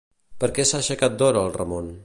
Per què s'ha aixecat d'hora el Ramon?